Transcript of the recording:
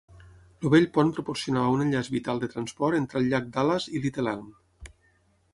El vell pont proporcionava un enllaç vital de transport entre el llac Dallas i Little Elm.